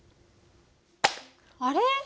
あれ？